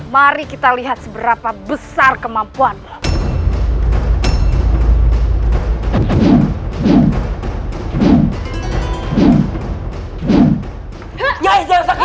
mari kita lihat seberapa besar kemampuannya